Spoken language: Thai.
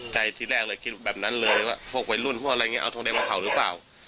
ใจที่แรกเลยคิดแบบนั้นเลยว่าพวกวัยรุ่นพวกอะไรอย่างนี้เอาทองแดงมาเผาหรือเปล่า